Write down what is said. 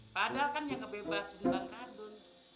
padahal kan yang ngebebasin bang kadun